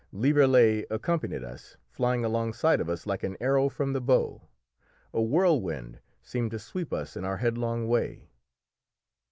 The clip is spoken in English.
Lieverlé accompanied us, flying alongside of us like an arrow from the bow. A whirlwind seemed to sweep us in our headlong way.